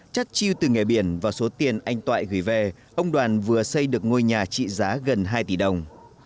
chất chiêu từ nghề biển và số tiền anh toại gửi về ông đoàn vừa xây được ngôi nhà trị giá gần hai tỷ đồng